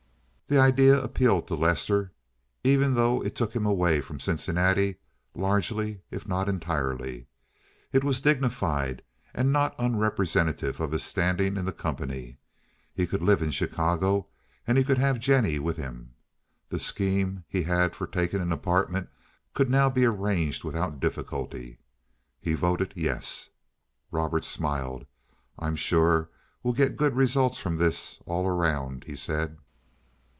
The idea appealed to Lester, even though it took him away from Cincinnati, largely if not entirely. It was dignified and not unrepresentative of his standing in the company. He could live in Chicago and he could have Jennie with him. The scheme he had for taking an apartment could now be arranged without difficulty. He voted yes. Robert smiled. "I'm sure we'll get good results from this all around," he said.